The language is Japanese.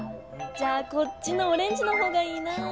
じゃあこっちのオレンジの方がいいなぁ。